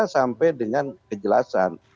sampai dengan kejelasan